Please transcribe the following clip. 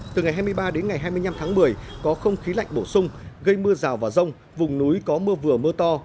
từ ngày hai mươi ba đến ngày hai mươi năm tháng một mươi có không khí lạnh bổ sung gây mưa rào và rông vùng núi có mưa vừa mưa to